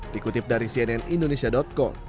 dikutip dari cnn indonesia com